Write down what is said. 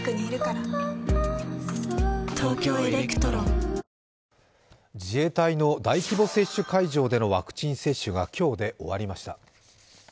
ワイドも薄型自衛隊の大規模接種会場でのワクチン接種が今日で終わりました。